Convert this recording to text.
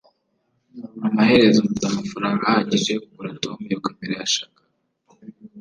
amaherezo mfite amafaranga ahagije yo kugura tom iyo kamera yashakaga